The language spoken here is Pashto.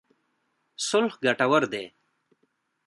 صلح ګټور دی.